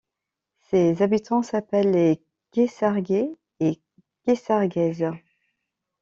Ses habitants s'appellent les Caissarguais et Caissarguaises.